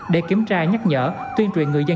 để kiểm tra nhắc nhở tuyên truyện người dân